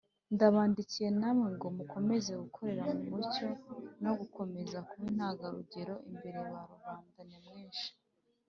Ndabandikiye namwe ngo mukomeze gukorera mu mucyo no gukomeza kuba intangarugero imbere ya rubanda nyamwinshi.